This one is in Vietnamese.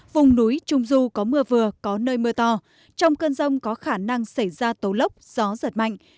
vùng núi trung du có mưa vừa có nơi mưa to trong cơn rông có khả năng xảy ra tố lốc gió giật mạnh